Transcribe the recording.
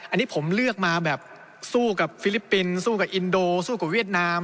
อันนี้ผมเลือกมาแบบสู้กับฟิลิปปินส์สู้กับอินโดสู้กับเวียดนาม